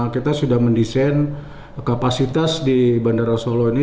kita sudah mendesain kapasitas di bandara solo ini